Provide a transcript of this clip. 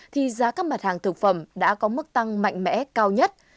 thì giá các mặt hàng thực phẩm đã có mức tăng mạnh mẽ cao nhất